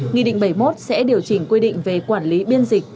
nghị định bảy mươi một sẽ điều chỉnh quy định về quản lý biên dịch